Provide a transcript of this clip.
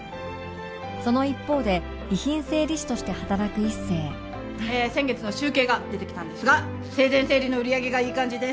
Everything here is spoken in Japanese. その一方で遺品整理士として働く一星えー先月の集計が出てきたんですが生前整理の売り上げがいい感じです。